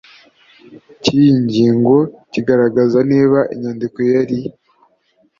cy iyi ngingo kigaragaza niba inyandiko yari